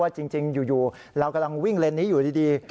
จริงอยู่เรากำลังวิ่งเลนนี้อยู่ดี